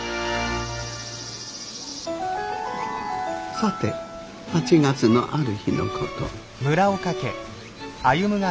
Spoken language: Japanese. さて８月のある日の事。